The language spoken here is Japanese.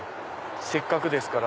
せっかくですから。